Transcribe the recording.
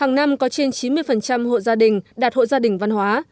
hàng năm có trên chín mươi hộ gia đình đạt hộ gia đình văn hóa